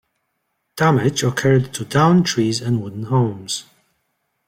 Damage occurred to downed trees and wooden homes.